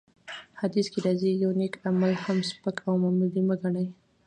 حديث کي راځي : يو نيک عمل هم سپک او معمولي مه ګڼه!